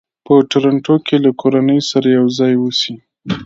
په ټورنټو کې له کورنۍ سره یو ځای اوسي.